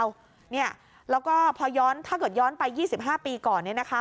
แล้วก็พอย้อนถ้าเกิดย้อนไป๒๕ปีก่อนเนี่ยนะคะ